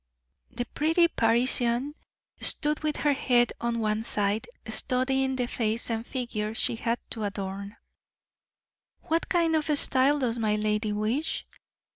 The pretty Parisian stood with her head on one side, studying the face and figure she had to adorn. "What kind of style does my lady wish?